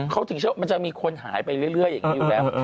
เขาถึงเชื่อว่ามันจะมีคนหายไปเรื่อยอย่างนี้อยู่แล้ว